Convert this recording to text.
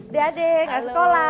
dede kak sekolah